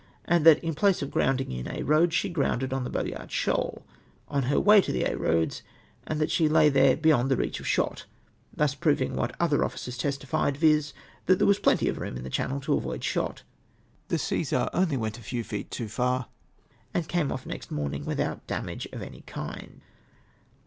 ! and that in place of grounding in Aix Eoads, she grounded on the Boyart Sand — on her way to Aix Eoads — and tliat she lay there beyond the reach of shot ; thus prov ing what other officers testified, viz. that there was plenty of room in the channel to avoid shot. The Ccesar only Av'cnt a fcAv feet too far, and came off next morn ing without damage of any kind.